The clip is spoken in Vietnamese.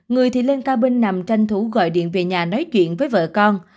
người thì lên cao bên nằm tranh thủ gọi điện về nhà nói chuyện với vợ con